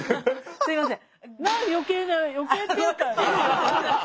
すいません。